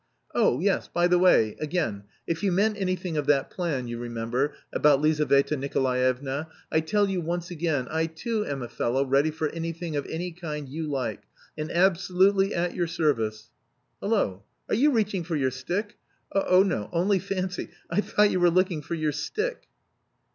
Oh yes, by the way, again, if you meant anything of that plan, you remember, about Lizaveta Nikolaevna, I tell you once again, I too am a fellow ready for anything of any kind you like, and absolutely at your service.... Hullo! are you reaching for your stick. Oh no... only fancy... I thought you were looking for your stick."